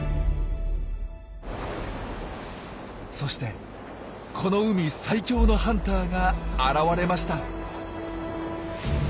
そしてこの海最強のハンターが現れました！